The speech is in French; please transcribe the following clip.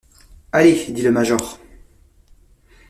Allez, dit le major.